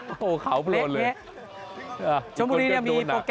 โอ้โหเขาโปรดเลยชมุดนี้เนี่ยมีโปรแกรม